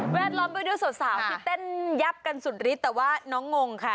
ล้อมไปด้วยสาวที่เต้นยับกันสุดฤทธิแต่ว่าน้องงงค่ะ